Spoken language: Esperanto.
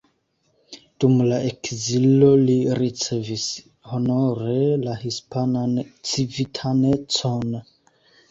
Dum la ekzilo li ricevis honore la hispanan civitanecon.